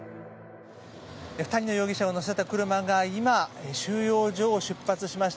２人の容疑者を乗せた車が今、収容所を出発しました。